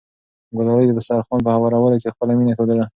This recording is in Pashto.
ګلالۍ د دسترخوان په هوارولو کې خپله مینه ښودله.